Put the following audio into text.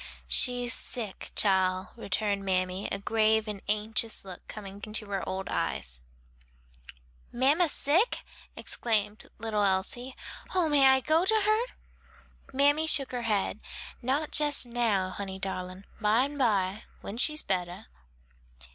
"She's sick, chile," returned mammy, a grave and anxious look coming into her old eyes. "Mamma sick?" exclaimed little Elsie, "oh, may I go to her?" Mammy shook her head. "Not jes now, honey darlin', byme by, when she's bettah."